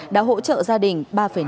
đã hỗ trợ gia đình ba năm triệu đồng